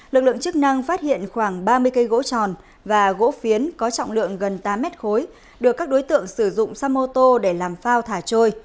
lực lượng chức năng phát hiện khoảng ba mươi cây gỗ tròn và gỗ phiến có trọng lượng gần tám mét khối được các đối tượng sử dụng xe mô tô để làm phao thả trôi